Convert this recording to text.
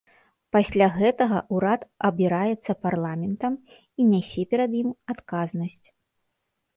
Пасля гэтага ўрад абіраецца парламентам і нясе перад ім адказнасць.